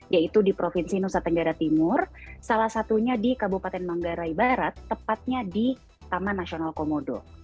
yaitu di provinsi nusa tenggara timur salah satunya di kabupaten manggarai barat tepatnya di taman nasional komodo